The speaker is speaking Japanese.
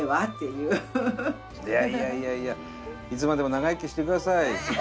いやいやいやいやいつまでも長生きして下さいお母さん。